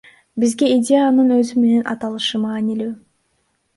Бизге идеянын өзү менен аталышы маанилүү.